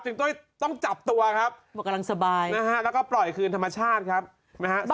จึงต้อยต้องจับตัวครับแล้วก็ปล่อยคืนธรรมชาติครับ